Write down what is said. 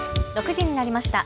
６時になりました。